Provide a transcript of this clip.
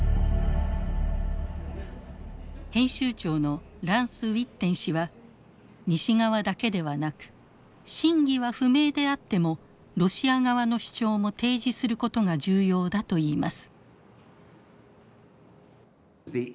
編集長のランス・ウィッテン氏は西側だけではなく真偽は不明であってもロシア側の主張も提示することが重要だといいます。